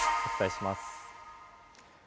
お伝えします。